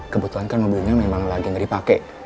kebetulan kan mobilnya memang lagi ngeripake